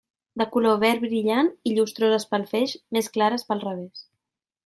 De color verd brillant i llustroses pel feix, més clares pel revés.